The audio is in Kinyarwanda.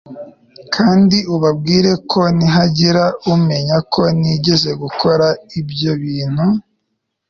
kandi ubabwire ko nihagira umenya ko nigeze gukora ibyo bintu